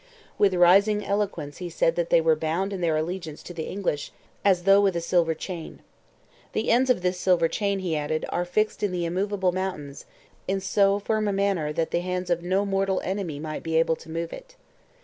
With rising eloquence he said that they were bound in their allegiance to the English as though with a silver chain. 'The ends of this silver chain,' he added, 'are fixed in the immovable mountains, in so firm a manner that the hands of no mortal enemy might be able to move it.'